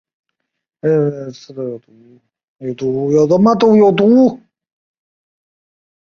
不论是黄蜂或是蜜蜂的刺都有毒。